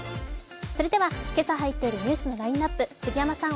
それでは今朝入っているニュースのラインナップ、杉山さん